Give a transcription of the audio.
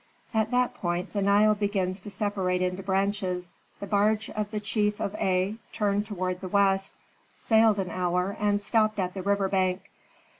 At that point the Nile begins to separate into branches. The barge of the chief of Aa turned toward the west, sailed an hour, and stopped at the river bank.